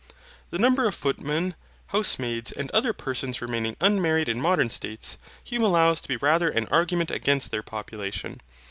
The number of footmen, housemaids, and other persons remaining unmarried in modern states, Hume allows to be rather an argument against their population.